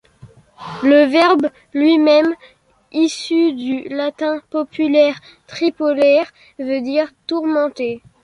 Le verbe lui-même, issu du latin populaire tripolaire, veut dire tourmenter.